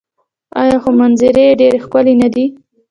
آیا خو منظرې یې ډیرې ښکلې نه دي؟